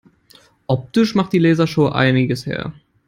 Optisch macht die Lasershow einiges her.